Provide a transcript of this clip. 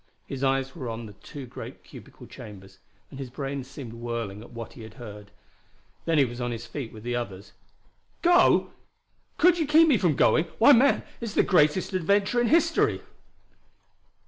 His eyes were on the two great cubical chambers, and his brain seemed whirling at what he had heard. Then he was on his feet with the others. "Go? Could you keep me from going? Why, man, it's the greatest adventure in history!"